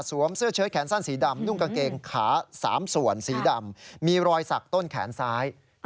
เสื้อเชิดแขนสั้นสีดำนุ่งกางเกงขา๓ส่วนสีดำมีรอยสักต้นแขนซ้าย